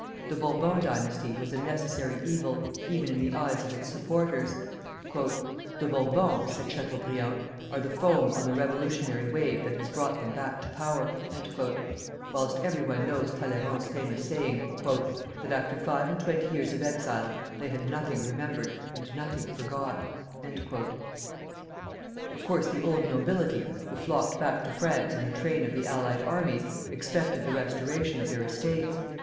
The Bourbon dynasty was a necessary evil, even in the eyes of its supporters. "The Bourbons," said Chateaubriand, "are the foam on the revolutionary wave that has brought them back to power;" whilst every one knows Talleyrand's famous saying "that after five and twenty years of exile they had nothing remembered and nothing forgot." Of course the old nobility, who flocked back to France in the train of the allied armies, expected the restoration of their estates.